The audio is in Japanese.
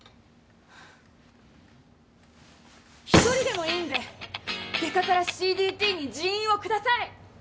１人でもいいんで外科からＣＤＴに人員を下さい！